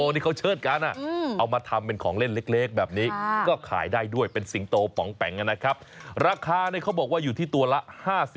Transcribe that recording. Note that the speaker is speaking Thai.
ราคาเนี่ยเขาบอกว่าอยู่ที่ตัวละ๕๐๑๕๐บาท